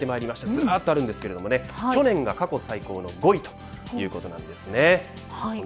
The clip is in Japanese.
ずらっとあるんですけれど去年が過去最高５位ということなんですね。